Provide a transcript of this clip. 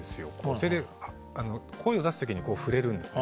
それで声を出す時にこう振れるんですね。